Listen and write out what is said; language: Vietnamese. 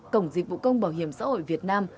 cổng dịch vụ công bảo hiểm xã hội việt nam